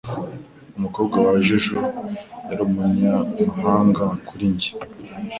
Umukobwa waje ejo yari umunyamahanga kuri njye.